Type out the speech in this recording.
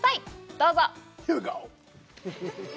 どうぞ！